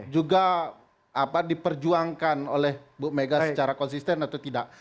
juga diperjuangkan oleh bu mega secara konsisten atau tidak